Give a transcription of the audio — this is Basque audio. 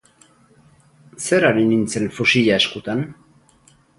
Zer ari nintzen fusila eskutan?